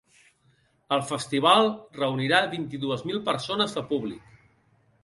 El festival reunirà vint-i-dues mil persones de públic.